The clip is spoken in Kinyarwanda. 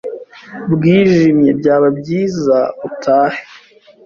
Bwijimye. Byaba byiza utahe.